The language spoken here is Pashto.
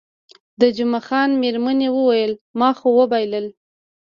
د جمعه خان میرمنې وویل، ما خو وبایلل.